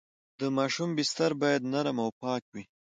د ماشوم بستر باید نرم او پاک وي۔